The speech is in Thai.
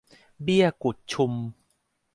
เบี้ยกุดชุม